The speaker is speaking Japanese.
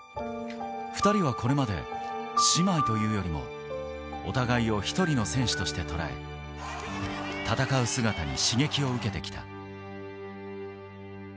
２人はこれまで姉妹というより、お互いを一人の選手としてとらえ、戦う姿に刺激を受けてきた。